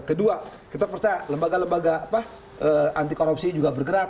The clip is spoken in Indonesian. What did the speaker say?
kedua kita percaya lembaga lembaga anti korupsi juga bergerak